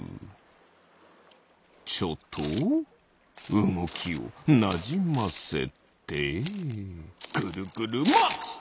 ちょっとうごきをなじませてぐるぐるマックス！